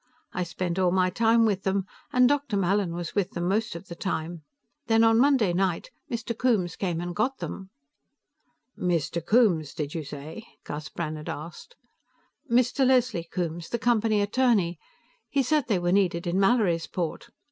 I spent all my time with them, and Dr. Mallin was with them most of the time. Then, on Monday night, Mr. Coombes came and got them." "Mr. Coombes, did you say?" Gus Brannhard asked. "Mr. Leslie Coombes, the Company attorney. He said they were needed in Mallorysport.